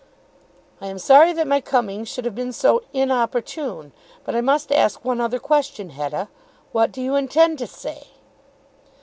"I am sorry that my coming should have been so inopportune. But I must ask one other question, Hetta. What do you intend to say?"